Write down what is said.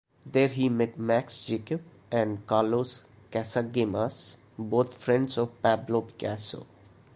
There he met Max Jacob and Carlos Casagemas, both friends of Pablo Picasso.